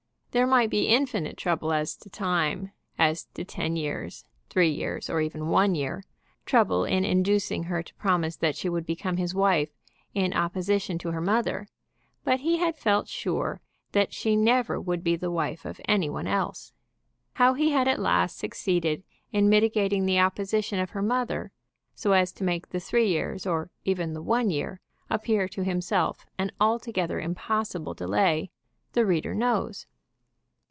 There might be infinite trouble as to time, as to ten years, three years, or even one year; trouble in inducing her to promise that she would become his wife in opposition to her mother; but he had felt sure that she never would be the wife of any one else. How he had at last succeeded in mitigating the opposition of her mother, so as to make the three years, or even the one year, appear to himself an altogether impossible delay, the reader knows.